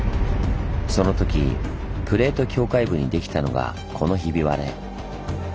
そのときプレート境界部にできたのがこのひび割れ。